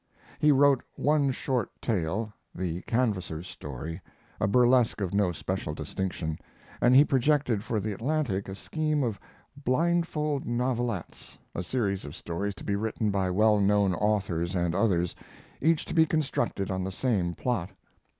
He wrote one short tale, "The Canvasser's Story," a burlesque of no special distinction, and he projected for the Atlantic a scheme of "blindfold novelettes," a series of stories to be written by well known authors and others, each to be constructed on the same plot.